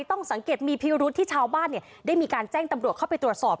ต้องสังเกตมีพิรุษที่ชาวบ้านได้มีการแจ้งตำรวจเข้าไปตรวจสอบ